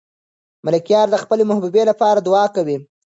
ملکیار د خپلې محبوبې لپاره دعا کوي.